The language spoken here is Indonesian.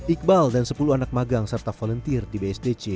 iqbal dan sepuluh anak magang serta volunteer di bsdc